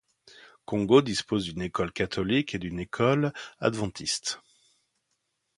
Kongo dispose d'une école catholique et d'une école adventiste.